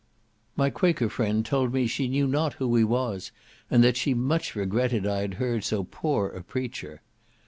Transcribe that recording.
My Quaker friend told me she knew not who he was, and that she much regretted I had heard so poor a preacher.